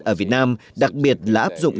ở việt nam đặc biệt là áp dụng